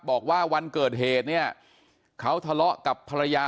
บอกว่าวันเกิดเหตุเนี่ยเขาทะเลาะกับภรรยา